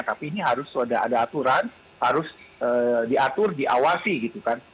tapi ini harus sudah ada aturan harus diatur diawasi gitu kan